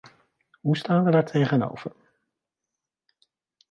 Hoe staan we daar tegenover?